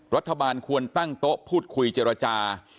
รัฐบาลควรตั้งโต๊ะพูดคุยเจรจา